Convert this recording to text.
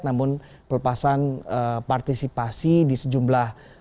namun pelepasan partisipasi di sejumlah